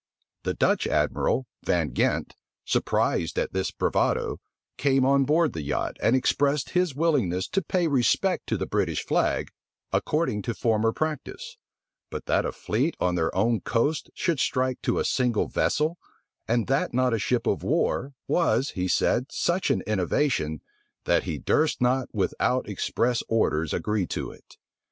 The Dutch admiral, Van Ghent, surprised at this bravado, came on board the yacht, and expressed his willingness to pay respect to the British flag, according to former practice: but that a fleet on their own coasts should strike to a single vessel, and that not a ship of war, was, he said, such an innovation, that he durst not without express orders agree to it.